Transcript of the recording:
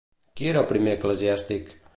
Qui era el primer eclesiàstic?